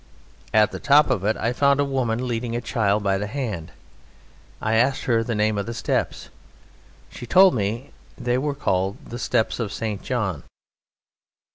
At the top of it I found a woman leading a child by the hand. I asked her the name of the steps. She told me they were called "The Steps of St. John."